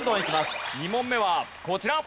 ２問目はこちら。